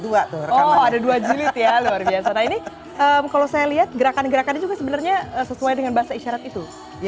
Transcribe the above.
dua tuh rekamannya ada dua jelit ya luar biasa nah ini kalau saya lihat gerakan gerakan juga sebenarnya sesuai dengan bahasa isyarat itu